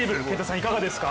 いかがですか？